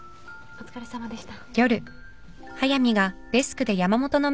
お疲れさまです。